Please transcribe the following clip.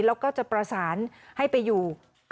แล้วก็จะประสานให้ไปอยู่